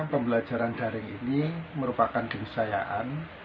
pembelajaran daring ini merupakan keniscayaan